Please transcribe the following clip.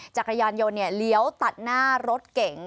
จักรยานยนต์เลี้ยวตัดหน้ารถเก๋ง